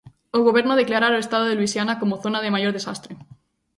O goberno declarar o estado de Luisiana como zona de maior desastre.